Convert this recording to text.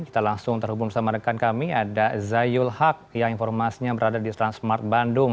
kita langsung terhubung bersama rekan kami ada zayul haq yang informasinya berada di transmart bandung